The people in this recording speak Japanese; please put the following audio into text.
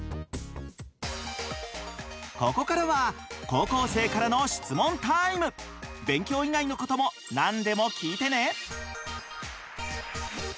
ここからは高校生からの勉強以外のことも何でも聞いてね！